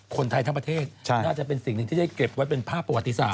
คนไทยทั้งประเทศน่าจะเป็นสิ่งหนึ่งที่ได้เก็บไว้เป็นภาพประวัติศาส